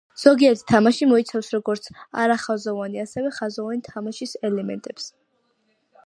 ზოგიერთი თამაში მოიცავს როგორც არახაზოვანი, ასევე ხაზოვანი თამაშის ელემენტებს.